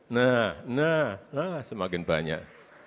nah semakin banyak